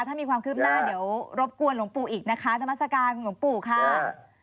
ถ้ามีความคืบหน้าเดี๋ยวรบกวนหลวงปู่อีกนะคะนามัศกาลหลวงปู่ค่ะ